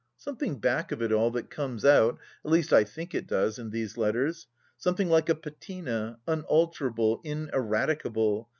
Something back of it all, that comes out — at least I think it does — ^in these letters; something like a patina, un alterable, ineradicable